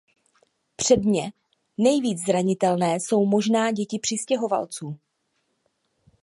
Předně, nejvíc zranitelné jsou možná děti přistěhovalců.